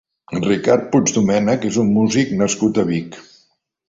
Ricard Puigdomènech és un músic nascut a Vic.